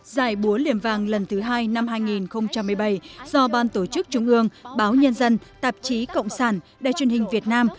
giải búa liềm vàng lần thứ hai năm hai nghìn một mươi bảy do ban tổ chức trung ương báo nhân dân tạp chí cộng sản đài truyền hình việt nam